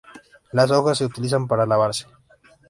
Las hojas se utilizan para lavarse.